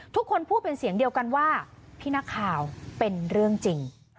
ทุกคนพูดเป็นเสียงเดียวกันว่าพี่นักข่าวเป็นเรื่องจริง